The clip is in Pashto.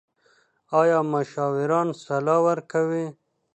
ایا مشاوران سلا ورکوي؟